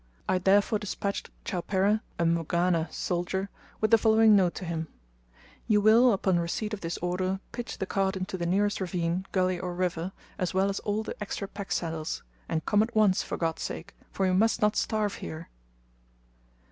I therefore despatched Chowpereh, a Mgwana soldier, with the following note to him: "You will, upon receipt of this order pitch the cart into the nearest ravine, gully, or river, as well as all the extra pack saddles; and come at once, for God's sake, for we must not starve here!"